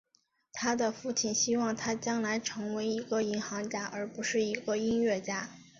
他的父亲希望他将来成为一个银行家而不是一个音乐家。